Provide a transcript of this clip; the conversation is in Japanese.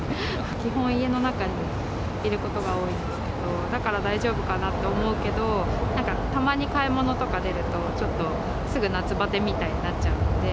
基本、家の中にいることが多いんですけど、だから大丈夫かなと思うけど、何かたまに買い物とか出ると、ちょっとすぐ夏バテみたいになっちゃうんで。